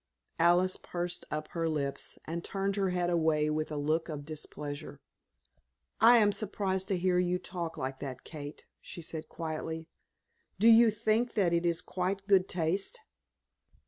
Alice pursed up her lips, and turned her head away with a look of displeasure. "I am surprised to hear you talk like that, Kate," she said, quietly. "Do you think that it is quite good taste?"